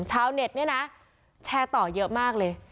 ชาวเน็ตเนี่ยนะแชร์ต่อเยอะมากเลย